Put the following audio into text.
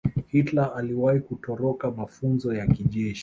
hitler aliwahi kutoroka mafunzo ya kijeshi